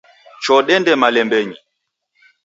Choo dende mlambenyi .